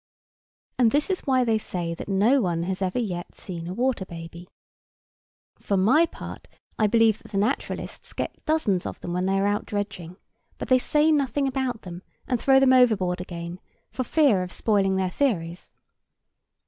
And this is why they say that no one has ever yet seen a water baby. For my part, I believe that the naturalists get dozens of them when they are out dredging; but they say nothing about them, and throw them overboard again, for fear of spoiling their theories.